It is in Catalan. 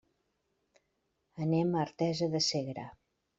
Anem a Artesa de Segre.